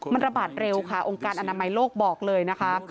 มันระบาดเร็วค่ะองค์การอนามัยโลกบอกเลยนะคะ